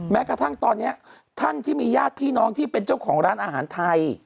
แม้กระทั่งตอนนี้ท่านที่มีญาติพี่น้องที่เป็นเจ้าของร้านอาหารไทย